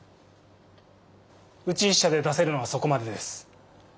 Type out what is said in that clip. うち１社で出せるのはそこまでです。